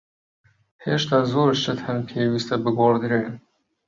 هێشتا زۆر شت هەن پێویستە بگۆڕدرێن.